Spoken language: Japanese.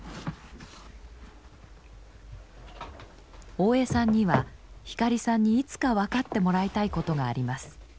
大江さんには光さんにいつか分かってもらいたいことがあります。